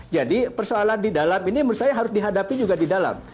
jadi persoalan di dalam ini menurut saya harus dihadapi juga di dalam